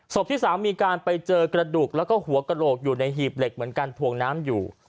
ที่๓มีการไปเจอกระดูกแล้วก็หัวกระโหลกอยู่ในหีบเหล็กเหมือนกันถวงน้ำอยู่